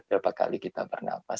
berapa kali kita bernafas